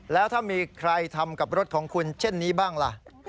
แล้วถ้ามีใครทำกับรถของคุณเช่นนี้บ้างล่ะ